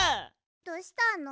どうしたの？